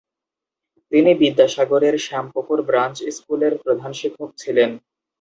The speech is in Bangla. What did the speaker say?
তিনি বিদ্যাসাগরের শ্যামপুকুর ব্রাঞ্চ স্কুলের প্রধান শিক্ষক ছিলেন।